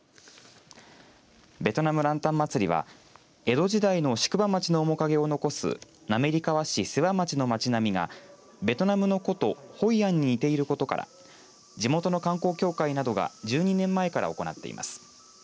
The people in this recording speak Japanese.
ベトナム・ランタンまつりは江戸時代の宿場町の面影を残す滑川市瀬羽町の町並みがベトナムの古都ホイアンに似ていることから地元の観光協会などが１２年前から行っています。